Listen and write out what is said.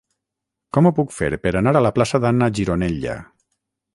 Com ho puc fer per anar a la plaça d'Anna Gironella?